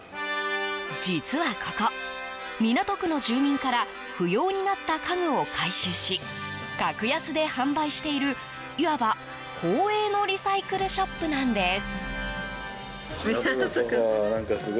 実はここ、港区の住民から不要になった家具を回収し格安で販売しているいわば公営のリサイクルショップなんです。